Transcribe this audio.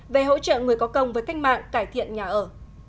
về hỗ trợ người có công với cách mạng cải thiện nhà ở